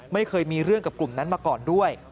ไม่เคยมีเรื่องกับกลุ่มนั้นมาก่อนด้วย